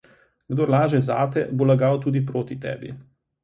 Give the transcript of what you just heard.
Kdor laže zate, bo lagal tudi proti tebi.